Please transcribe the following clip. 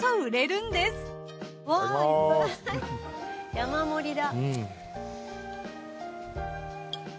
山盛りだ。